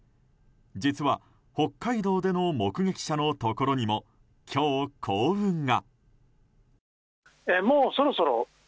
実は北海道での目撃者のところにも今日、幸運が。